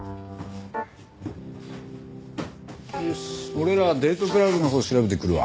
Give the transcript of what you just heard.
俺らデートクラブのほう調べてくるわ。